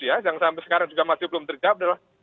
yang sampai sekarang juga masih belum terjawab adalah